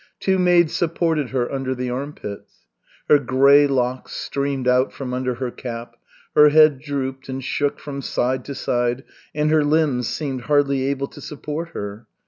Two maids supported her under the armpits. Her grey locks streamed out from under her cap, her head drooped, and shook from side to side, and her limbs seemed hardly able to support her.